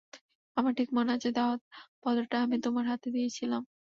আমার ঠিক মনে আছে দাওয়াত-পত্রটা আমি তোমার হাতে দিয়েছিলাম।